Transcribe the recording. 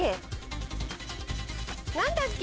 何だっけ？